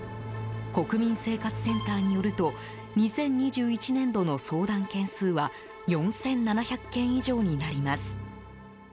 国民生活センターによると２０２１年度の相談件数は４７００件以上になります。